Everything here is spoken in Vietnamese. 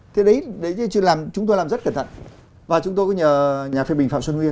thế đấy chúng tôi làm rất cẩn thận và chúng tôi có nhờ nhà phê bình phạm xuân nguyên